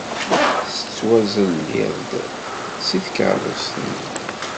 Tettwazelli-d seg tkeṛṛust-nni.